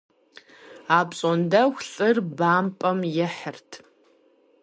Апщӏондэху лӏыр бампӏэм ихьырт.